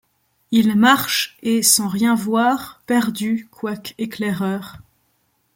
Il marche, et, sans rien voir, perdu, quoique éclaireur